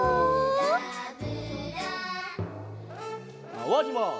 まわります。